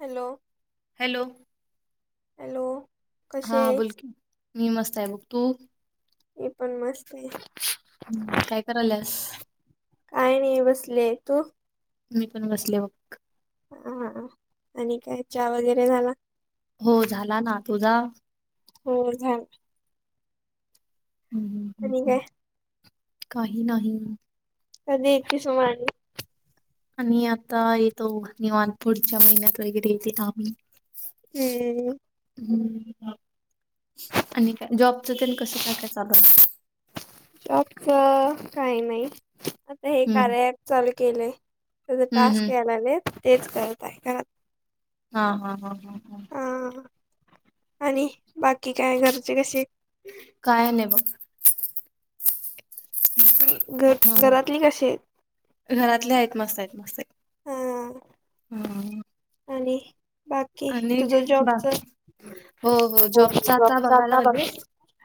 Hello! Hello! Hello! कसे हा आहेस बोलकी, मी मस्त आहे बघ, तु? मी पण मस्त आहे. हम्म, काय कराल्यास? काय नाही बसले. तू? मी पण बसले बघ. हा, आणि काय चहा वगैरे झाला? हो झाला ना. तुझा? हो झा हम्म हम्म हम्म. आणि हम्म. काय? काही नाही. कधी येती [unintelligible] आम्ही आता येतो, निवांत पुढच्या महिन्यात वगैरे येते आम्ही. हम्म हम्म, आणि काय जॉबच तेन कसं काय काय चालूय? जॉबचं, काही नाही. हे हम्म कार्य अँप चालू केलेय, त्याचं हम्म टास्क हम्म. यायला आलेत तेच करत आहे. घ हा हा हा हा हा. हा, आणि बाकी काय घरचे कसे? काय नाही बघ. घर, हा घरातली कशी आहे? घरातले आहेत मस्त आहेत, मस्त आहेत हा हम्म. आणि बाकी, तुझं जॉबचं? बाकी हो हो जॉबच [unintelligible] जॉबचं बघायला आता लागले बाकी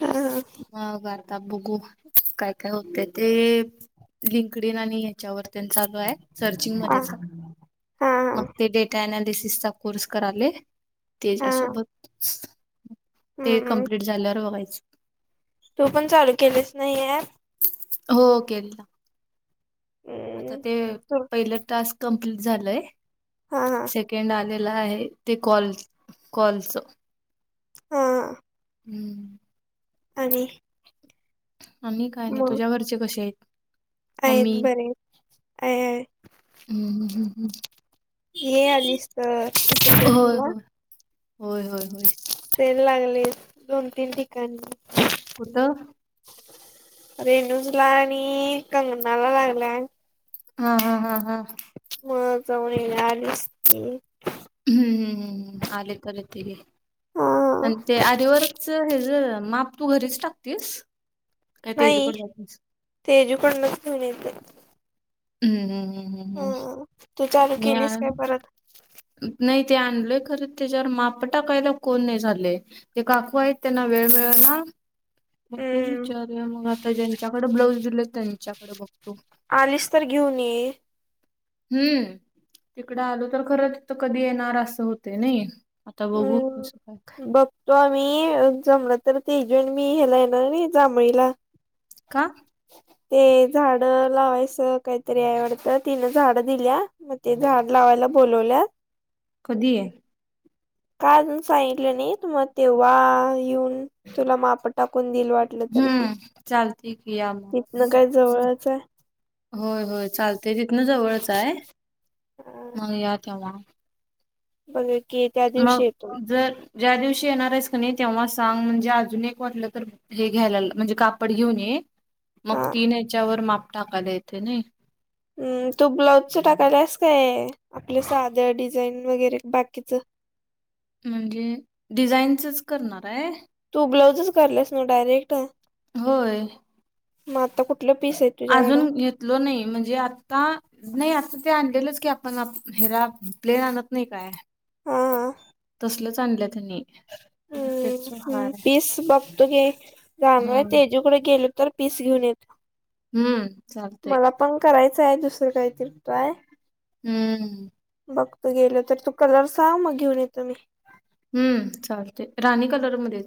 हा ह. मग वार्ताप बघू काय काय होते ते लिंकडेन आणि त्याच्या वर्न चालू आहे सर्चिंग हा मध्येच हा मग ते डेटा अनालिसिस चा कोर्स कराले. हा तेच्यासोबत ते हम्म कम्प्लीट झाल्यावर बघायचं. तू पण चालू केलेच नाही आहे. हो के. आता हम्म ते तू पहिलं टास्क कम्प्लीट झालंय हा हा सेकेंड आलेला आहे. ते कॉलस कॉल्स हा हा. हम्. आणि आम्ही काय नाही मग तुझ्या घरचे कसे आहेत. आहेत मम्मी बर आहे आहे. हम हम हम हम. ये आलीस तर होय इतलगजीला होय होय होय होय सेल लागले दोन तीन ठिकाणी कुत? रेणूज ला आणि कंगनाला लागला. हा हा हा हा. म जाऊन आलीस? हम्म हम्म हम्म हम्म आले तल त हा न अरवर हे ज माप तू घरीच टाकतीस काय तेजीकड जातस. तेजूकडूनच घेऊन येते. हम्म हम् हम् हम्म हा तू चालू केलीस हम् काय म परत नाही ते आणलय खरं त्याच्यावर माप टाकायला कोण नाही झालंय. जे काकू आहेत त्यांना वेळ मिळला मग तेच हम्म विचार मग आता ज्यांच्याकडे ब्लाऊज दिले त्यांच्याकडे बघतो. आलीस तर घेऊन ये. हम्म तिकडं आलो तर खरं तिथं कधी येणार असं होते नाही. आता बहुत खोशक तो आम्ही जमला तर ते जण मी हेला येणार नाही जमळीला का? ते झाड लावायचं काहीतरी आवडत तिन झाड दिल्या. मग ते झाड लावायला बोलवल्या. कधी आहे. काय अजून सांगितलं नाही तु मग तेव्हा येऊन तुला माप टाकून दिईल वाट. हम्म चालती कम. तिथनं काय जवळच आहे होय होय चालतेय तिथन जवळच आहे मग या तेव्हा ब कि त्या दिवशी मग येतो जर ज्या दिवशी येणार आहेस का नाही तेव्हा सांग म्हणजे अजून एक वाटलं तर हे घ्यायला म्हणजे कापड घेऊन ये मग हा तीन ह्याच्यावर माप टाकायला येते नाही. हम तू ब्लाऊजचं टाकायलास काय आपलं साध डिझाईन वगैरे बाकीच. म्हणजे डिझाईनचच करणार आहे. तू ब्लाऊजच करलास ना डायरेक्ट होय. मग आता कुठलं पीस आहेत. अजून घेतलो नाही म्हणजे आता नाही आता ते आणलेलंच की आपण हेरा प्लेन आणत नाही काय? हा तसलच आणलं त्यांनी मग त्याच हम्म हाय हम्म पीस बघतो ग जाणार हा आहे तेजुकडे गेल तर पीस घेऊन येत हम्म चालतंय. करायचं आहे दुसरं काही हम्म बघत गेलं तर तू कलर साग मग घेऊन येतं मी हम्म चालते राणी कलर मध्ये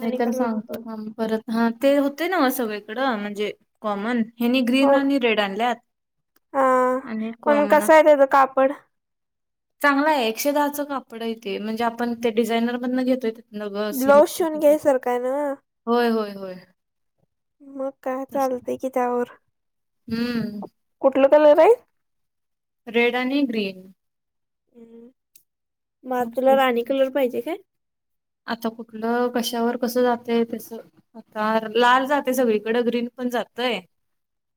नाही तर कलर सांगतो थांब परत हा ते होते ना सगळीकडं म्हणजे कॉमन हेनी ग्रीन हो आणि रेड आणल्यात हा आणि पण कॉमन कसं आहे असतं. त्याचं कापड चांगला आहे एकशे दहाचं कापड आहे तेे म्हणजे आपण ते डिझायनर मधन घेतोय. तिथन ग ब्लाउस सिल्कच शेवून घ्यायसारख आहे ना. होय होय होय मग काय तस चालते कि त्यायावर हम्म कुठलं कलर आहे. रेड आणि ग्रीन हम्म मग तुला राणी कलर पाहिजे काय? आता कुठलं कशावर कसं जातय तसं आता लाल जाते सगळीकडं ग्रीन पण जातय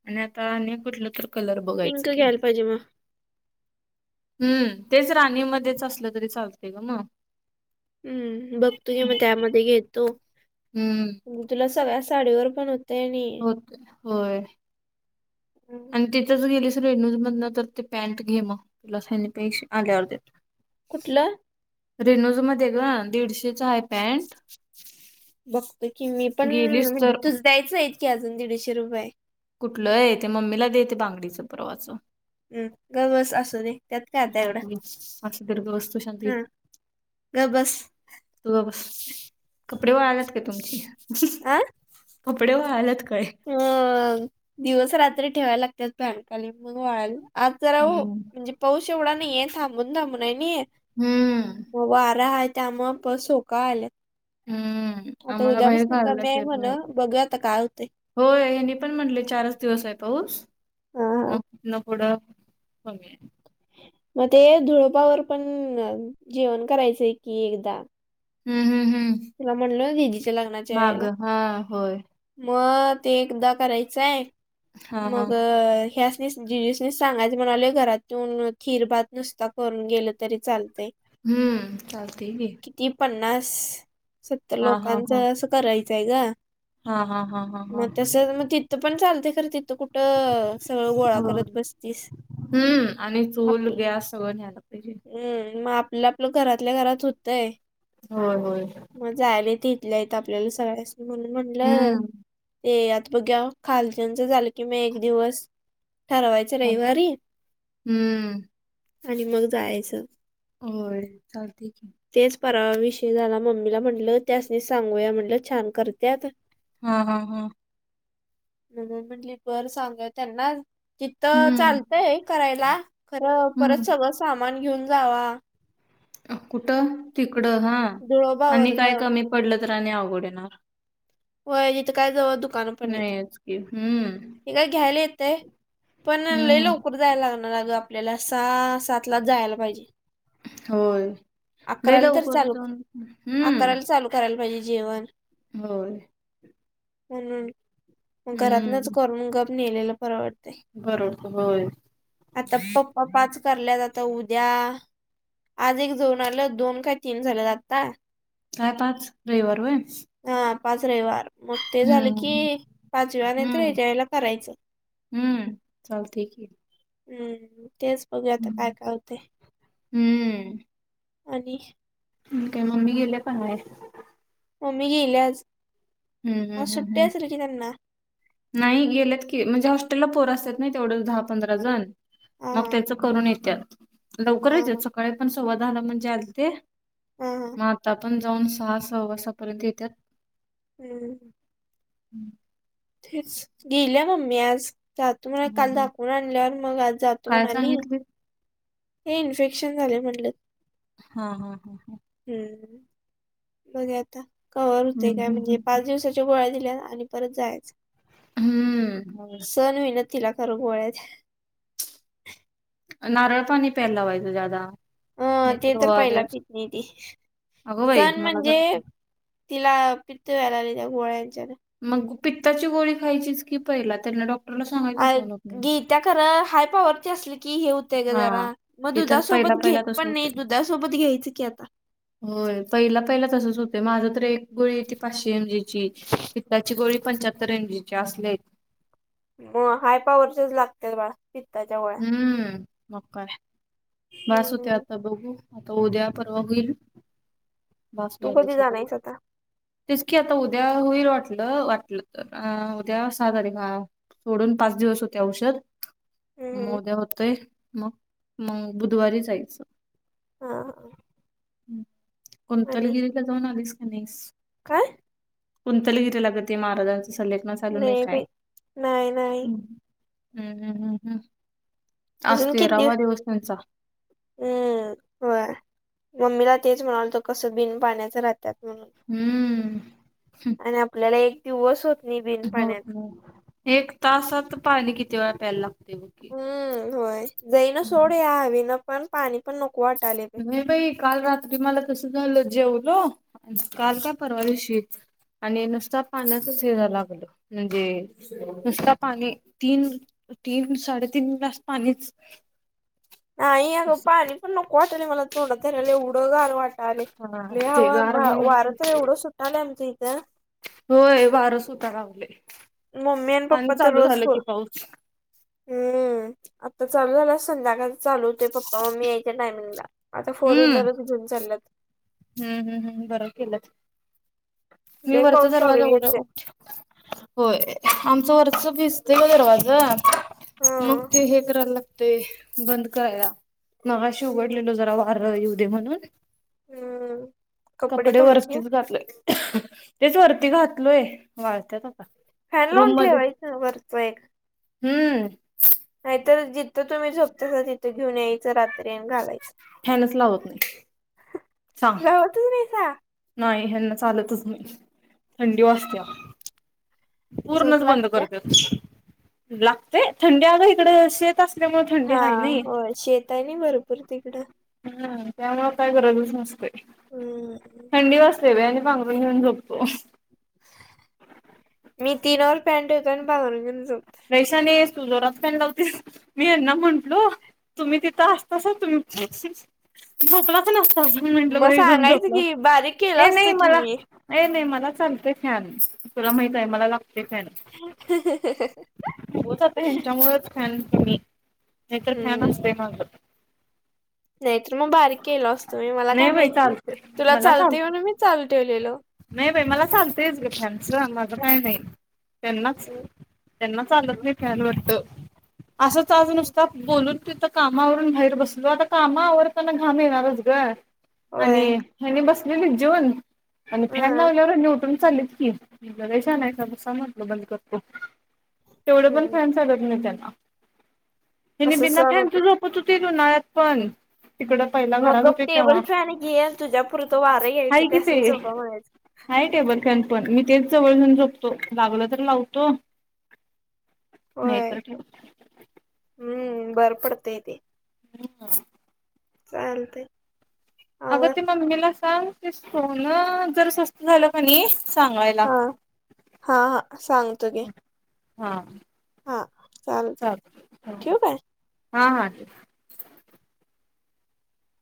आणि आता कुठलं तर कलर बघायचं पिंक की घ्यायला पाहिजे मग हम्म तेच राणीमध्येच असलं तरी चालते ग मग हम्म बघ तो क मग त्यामध्ये घेतो. हम्म तुला सगळ्या साडीवर पण होतंय. होय आणि तिथंच गेलीस रेडणू मधन तर ते पॅन्ट घे मग तिला सनी पैसे आल्यावरती कुठलं? रेनूज मध्ये ग दीडशे बघतो कि मी पण गेलीस म्हणजे तर तुझं द्यायचं आहे की अजून दीडशे रुपये कुठलं आहे ते मम्मीला दे ते बांगडीच परवाच हम्म गप बस अससु दे त्यात काय आता एवढं असं दीर्घ वस्तू शांत घे हा गप बस तू गप बस कपडे वळालात काय तुमची आ कपडे वळालात काय? अ दिवस रात्री ठेवायला लागतात. फॅन खाली म्हणून वाळाला आज जरा हो हम्म म्हणजे पाऊस एवढा नाहीये थांबून थांबून आहे नाही. हम्म मग वारा आहे त्यामूळे पाऊस सोका आला. हम्म आता आम्हाला बाहेर उद्यापसन कमी घालायलाच आहे येत म्हण नाही बघू आता काय होते. होय हेनी पण म्हटले चारच दिवस आहे पाऊस हा हा मग ना थोडं कमी आहे. मग ते धुळुपावर पण जेवण करायचंय कि एकदा हम्म हम्म हम्म तुला म्हणलो दिदीच्या लग्नाच्या वेळेला मागं. हां, होय. मग ते एकदा करायचंय हां, हां. मग ह्या दिदीसनी सांगायच म्हणाले घरातून खीर भात नुसता करून गेलं तरी चालतंय. हम्म चालते की ती पन्नास सत्तर हां, हां, लोकांच हां. असं करायचंय ग हां, हां, हां, हां, मग हां. तसं मग ति तर पण चालते खरं तिथं कुठं. सगळ गोळा होय. करत बसतीस आपली. सगळ झाला पाहिजे. हम्म मग आपलं आपलं घरातल्या घरात होतय. हो हो. मग जायलाेत इथल्या इथ आपल्याला सगळ्यासनी म्हणून म्हणलं. हं. ते आता बघ्या खालच्यानच झालं की म एक दिवस.. ठरवायचं हं, रविवारी हं. आणि मग जायचं. होय चालते की. तेच परावाविषयी झाला मम्मीला म्हटलं त्यासनी सांगूया म्हटलं छान करत्यात. हा हा हा. म म्हटली बर सांगा त्यांना तिथ हं, चालत. हे करायला खरं हं. परत सगळं सामान घेऊन जावा. कुठं तिकडं हा धुळोबा आणि वर्ग काय कमी पडलं तर आणि आवड येणार. हो तिथे कायु नाही आज की हम्म हे का घ्यायला येतय पण लई हं. लोक. कूर जायला लागणार अग आपल्याला स सात लाच जायला पाहिजे. होय लई अकराला तर लाऊकर चालू जाऊन हम्म. अकराला चालू करायला पाहिजे जेवण. होय. म्हणून घरातनच हं. करून ग आप नेलेला परवडत. बरोबर होय. आता पप्पा पाच करल्यात आता उद्या. आज एक जऊन आलं दोन काय तीन झालं ज आता. काय पाच रविवार वय हा पाच रविवार मग ते झालं की हम्म पाचवी वार हम्म. नाहीतच्या वला करायचं हम्म चालतय की. हम्म तेच बघू आता काय हम्म काय होते आणि ठीकय मम्मी गेले पण आहे. मग मी गेलेज. हम्म हम्म हम् हम्. नाही गेल्यात की म्हणजे हॉस्टेलला पोर असत नाही तेवढं दहा पंधरा जण- हा मग हा त्याच करून येत हा लवकरच य हा सकाळी पण सववाध आला म्हणजे आल ते. हा हा मग आता पण जाऊन सहा सहा वासापर्यंत येत. हम्म. हम्म. तेच गेल्या मम्मी आज जातो म्हणा काल हा दाखवून आणल्यावर मग आज जातो काय म्हणा आली. सांगितलीत हे इन्फेक्शन झाले म्हटलं. हा हा हा हा. हम्म बघ आता कवर हम्म होते काय हम्म म्हणजे हम्म. पाच दिवसा गोळ्या दिल्या आणि परत जाय हम्म सण मन. तिला खरं गोळच. नारळ पाणी पेलावायच ज्यादा. अं ते तर पहिला भीच नाही त अगं बाई सण मला म्हणजे. तर तिला पित्त व्यायला आली त्या गोळ्यांच्या मग पित्ताची गोळी खायचीच की पहिला त्यांना डॉक् अ गी त्या्याकर हाय पॉवरची असली. की हे होतंय का जरा हा. मग ते तर पहिला दुधासोबत घेत पहिला तसं पण नाही होतंय. दुधासोबत घ्यायचं की आता. होय पहिला पहिला तसच होतं माझ तर एक गोळी ती पाचशे एम जीची. पित्ताची गोळी पंच्याहत्तर एम, जी ची असली आहेत म हाय पॉवरचेच लागते बा पित्ताच्या गो हम्म, मग काय, भास होतय हम्म. आता बघू आता उद्या परवा होईल. बास तू व्हायलय कधी जाणार सगळं. हाईस आता? तेच की आता उद्या होईल वाटलं, वाटलं तर अ उद्या सहा तारीख हा सोडून पाच दिवस होतय औषध म हम्म. उद्या होतय मग, मग बुधवारी जायचं हा हा आणि कुंतलगिरी ला जाऊन आलीस का नाहीस? काय? कुंतलगिरीला गं ते महाराजांचा सल्ले मसाला नाही काय. नाही नाही आज अजून किती दि तेरावा दिवस त्यांचा हम्म होय मम्मीला तेच म्हणालतो कस बिन पाण्याचं राहत्यात म्हणून. हम्म आणि आपल्याला एक दिवस होत नाही बिन पाण्यात होतं नाही, एक तासात पाणी किती वेळा प्यायला लागतय बघ की. हम्म होय, जाईना हम्म. सोड या हावेन पण पाणी पण नको वाट नाही बाई काल रातं तु मला तसं झालं जेवलो काल का परवा दिवशी. आणि नुसता पाण्याचच हे व्हाय लागलं म्हणजे नुसता पाणी तीन, तीन साडेतीन ग्लास पाणीच ह अगं असं. पाणी पण नको वाटलंय मला तोंडात धरायला एवढं गार वाट लय, हा लई ते हवा गार वारं तर एवढं सुट्टालंय आमच्या इथं होय वार सुटाय लागलंय. मम्मी अन पप्पा तर रोज पाऊस. हम्म, आता चालू झाला संध्याकाळ चालू होतोय पप्पा मग मी यायच्या टायमिंगला आता फोर हम्म व्हीलरच घेऊन चाल्यात. हम्म हम् हम् बर केल्यात मी लय वरचा पाऊस चालू दरवाजा उघडा येतोय होय आमचं वरच भिजतय ग दरवाज हा मग ते हे करायला लागतय बंद करायला मगाशी हम्म उघडलेलो जरा वार येऊ दे म्हणून हम्म कपडे वरतीच घातलोय. तेच वरती घातलोय वाळत्यात आत्ता. फॅन लावून ठेवायचं वरच एक हम्म नाही तर जिथं तुम्ही झोपतासा तिथं घेऊन यायचं रात तन घालायच. फॅनच लावत नाही सांग लावत नाहीसा नाही हेना चालतच नाही थंडी वाजत्या झोप पूर्णच बंद लागत्या करत्यात. लागतय थंडी अग इकडे शेत असल्यामुळे थंडी हा हाय नई होय शेत आहे ना भरपूर तिकडं ह त्यामुळे काय गरजच नसतेय हम्म थंडी वाजतंय बाई आणी पांग रून घेऊन झोपतो. मी तीनवर पॅन ठेवतोय आणि पांगरून घेऊन झोपतोय लई शाणी हायस तु जोरात पॅन लावतीस मी यांना म्हंटलो तुम्ही तिथं असतासा तुम्ही झोपलाच नसतासा मी म्हटलं मग बाई घेऊन सांगायचं झोपला की बारीक केलं असता, नाही असतं की मला मी नाही नाही मला चालतय फॅन तुला माहित आहे मला लागते फॅन हहं हं होत आता ह्यांच्यामुळेच फॅन कमी, नाहीतर फॅन हम्म असतय माझ. नाहीतर मग बारीक केल असतो मी मला काय नाही बाई माहिती चालतंय तुला मला चालते चालतंय. म्हणून मी चालू ठेवलेल. नाही बाई मला चालतेच गे फ्यांचं माझं काही नाही त्यांनाच. त्यांना चालत नाही फॅन वाटतं. असं आज नुसत बोलून तिथं कामावरून बाहेर बसलो आता काम आवर त्यांना घाम येणारच ग होय आणि हेनी बसलेली जेवून आणि हा फॅन लावल्यावर यांनी उठून चाललेत की [unintelligible] म्हटलं बंद करतो. तेवढं पण हम्म फॅन चालत नाही त्यांना. त्याने कसं बिना सहन फॅच होते झोपत होती उन्हाळ्यात पण तिकड मग टेबल फॅन घेन तुझ्या पुरत वारं यायचं कि ते त्यासनी झोपा म्हणायचं. हाय टेबल फॅन पण मी तेच जवळ जाऊन झोपतो लागलं तर लावतो. नाही होय तर ठेव. हम्म बरं पडतय ते. हम्म. चालतय. अगं आवर ते मम्मीला सांग की सोनू जरा जास्त झालं का नी सांगायला हा हा हा सांगतो घे हा. हा चालतय [unintelligible] ठेवू काय? हा हा ठिक ये.